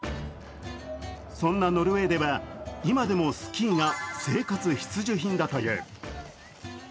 そんなノルウェーでは今でもスキーが生活必需品だという。